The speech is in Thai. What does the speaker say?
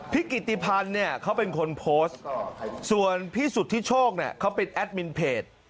กิติพันธ์เนี่ยเขาเป็นคนโพสต์ส่วนพี่สุธิโชคเนี่ยเขาเป็นแอดมินเพจ